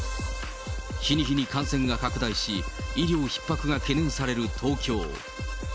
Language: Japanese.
日に日に感染が拡大し、医療ひっ迫が懸念される東京。